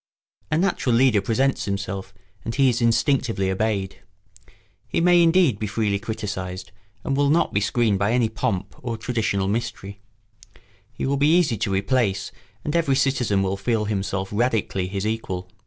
A natural leader presents himself and he is instinctively obeyed. He may indeed be freely criticised and will not be screened by any pomp or traditional mystery; he will be easy to replace and every citizen will feel himself radically his equal.